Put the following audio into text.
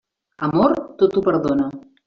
Amor, tot ho perdona.